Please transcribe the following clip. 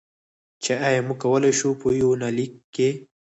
چې ایا موږ کولی شو، په یونلیک کې.